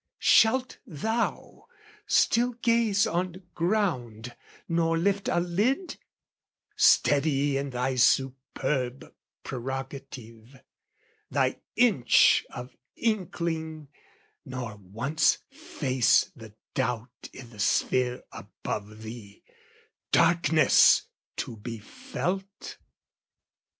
"Shalt thou still gaze on ground nor lift a lid, "Steady in thy superb prerogative, "Thy inch of inkling, nor once face the doubt "I' the sphere above thee, darkness to be felt?"